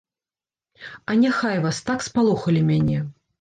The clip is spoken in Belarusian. А няхай вас, так спалохалі мяне.